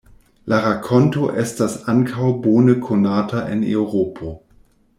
La rakonto estas ankaŭ bone konata en Eŭropo.